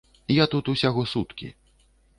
Я тут усяго суткі.